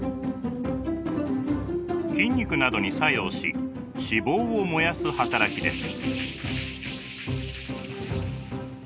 筋肉などに作用し脂肪を燃やす働きです。